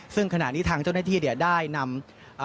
ซึ่งขณะนี้ทางเจ้าหน้าที่เนี่ยได้นำ